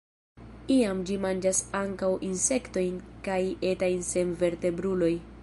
Iam ĝi manĝas ankaŭ insektojn kaj etajn senvertebrulojn.